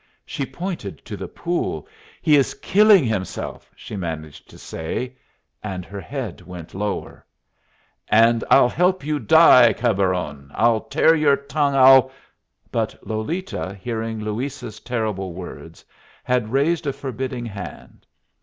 She pointed to the pool. "He is killing himself!" she managed to say, and her head went lower. "And I'll help you die, caberon! I'll tear your tongue. I'll " But Lolita, hearing Luis's terrible words, had raised a forbidding hand.